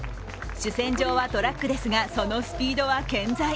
主戦場はトラックですがそのスピードは健在。